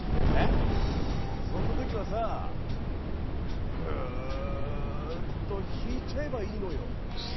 そんなときはさグーっと引いちゃえばいいのよ。